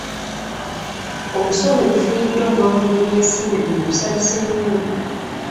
Omusolo ogufuniddwa omwaka gw'ebyensimbi guno gusalise nnyo.